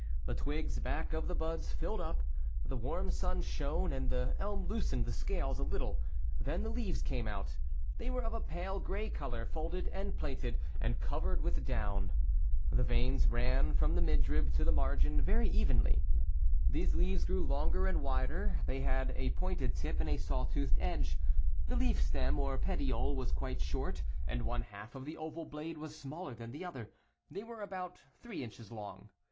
The twigs back of the buds filled up. The warm sun shone and the elm loosened the scales a little, came out. They were of a pale gray color, folded and plaited, and covered with down. The veins ran from the midrib to the margin very evenly. 1. Winter Twig. 2. Bud Showing Scales about the growing Points. Then the leaves These leaves grew longer and wider, they had a pointed tip and a saw toothed edge. The leaf stem, Qx petiole, was quite short, and one half of the oval blade was smaller than the other. They were about three inches long.